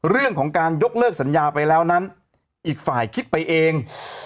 เรื่องของการยกเลิกสัญญาไปแล้วนั้นอีกฝ่ายคิดไปเอง